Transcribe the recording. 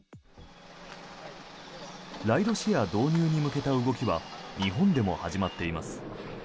ライドシェア導入に向けた動きは日本でも始まっています。